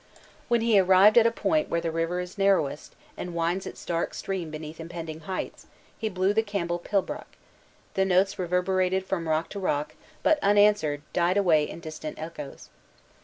When he arrived at a point where the river is narrowest, and winds its dark stream beneath impending heights, he blew the Campbell pibroch; the notes reverberated from rock to rock, but, unanswered, died away in distant echoes.